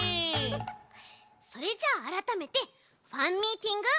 それじゃああらためてファンミーティングスタートだち！